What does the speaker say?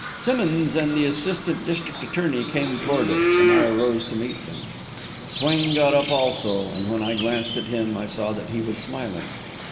Simmonds and the assistant district attorney came toward us, and I arose to meet them. Swain got up, also, and when I glanced at him I saw that he was smiling.